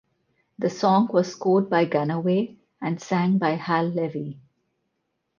The song was scored by Gannaway and sang by Hal Levy.